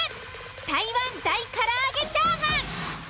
台湾大からあげチャーハン。